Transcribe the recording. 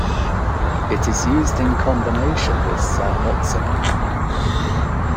It is used in combination with cymoxanil.